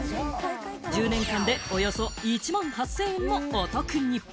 １０年間でおよそ１万８０００円もお得に！